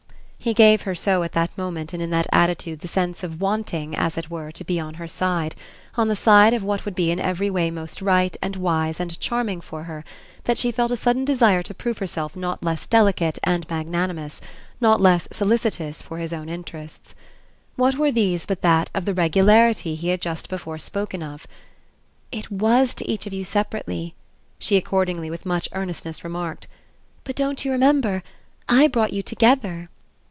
He gave her so at that moment and in that attitude the sense of wanting, as it were, to be on her side on the side of what would be in every way most right and wise and charming for her that she felt a sudden desire to prove herself not less delicate and magnanimous, not less solicitous for his own interests. What were these but that of the "regularity" he had just before spoken of? "It WAS to each of you separately," she accordingly with much earnestness remarked. "But don't you remember? I brought you together."